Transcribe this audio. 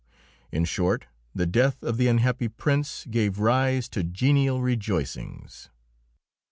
In short, the death of the unhappy Prince gave rise to general rejoicings.